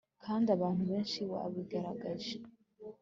Kandi abantu benshi babigerageje